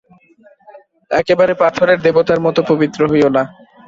একেবারে পাথরের দেবতার মতো পবিত্র হইয়ো না।